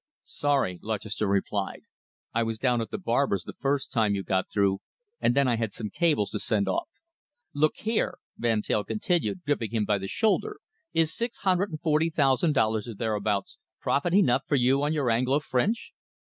"Sorry," Lutchester replied, "I was down at the barber's the first time you got through, and then I had some cables to send off." "Look here," Van Teyl continued, gripping him by the shoulder, "is six hundred and forty thousand dollars, or thereabouts, profit enough for you on your Anglo French?"